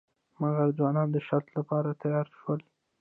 مګر ځوانان د شرط لپاره تیار شول.